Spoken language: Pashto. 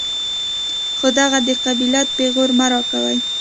خو دغه د قبيلت پېغور مه راکوئ.